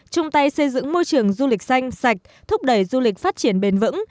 chung tay xây dựng môi trường du lịch xanh sạch thúc đẩy du lịch phát triển bền vững